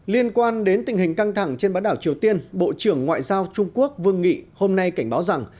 liên quan đến tình hình căng thẳng trên bán đảo triều tiên bộ trưởng ngoại giao trung quốc vương nghị hôm nay cảnh báo rằng